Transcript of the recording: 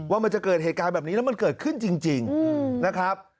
มันจะเกิดเหตุการณ์แบบนี้แล้วมันเกิดขึ้นจริงนะครับ